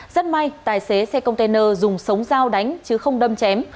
rất may tài xế xe container dùng sống dao đánh chứ không đâm chém